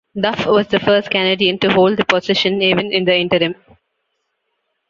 Duff was the first Canadian to hold the position, even in the interim.